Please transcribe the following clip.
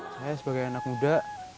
saya sebagai anak muda